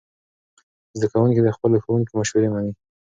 زده کوونکي د خپلو ښوونکو مشورې مني.